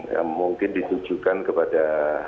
yang mungkin ditujukan kepada